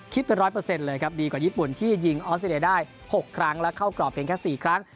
ไป๑๐๐เลยครับดีกว่าญี่ปุ่นที่ยิงออสเตรเลียได้๖ครั้งและเข้ากรอบเพียงแค่๔ครั้ง